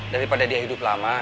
daripada dia hidup lama